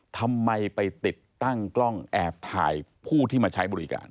ทำไมไปติดตั้งกล้องแอบถ่ายผู้ที่มาใช้บริการ